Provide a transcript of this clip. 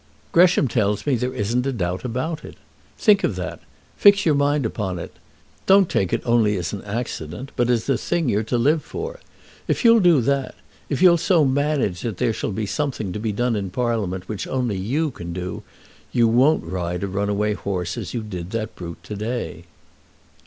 "Gresham tells me there isn't a doubt about it. Think of that. Fix your mind upon it. Don't take it only as an accident, but as the thing you're to live for. If you'll do that, if you'll so manage that there shall be something to be done in Parliament which only you can do, you won't ride a runaway horse as you did that brute to day."